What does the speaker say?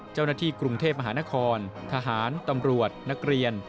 เจ้าหน้าที่กรุงเทพมหานครทหารตำรวจนักเรียน